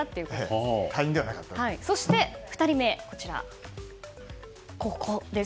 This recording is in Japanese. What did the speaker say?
そして、２人目ここです。